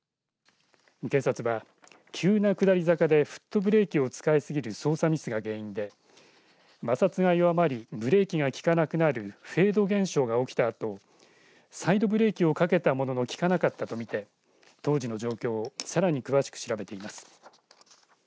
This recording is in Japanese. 警察は、急な下り坂でフットブレーキを使いすぎる操作ミスが原因で摩擦が弱まりブレーキが効かなくなるフェード現象が起きたあとサイドブレーキをかけたものの効かなかったと見て当時の状況をさらに詳しく調べています。